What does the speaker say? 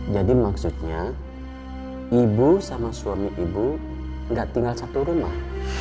jadi maksudnya ibu sama suami ibu gak tinggal satu rumah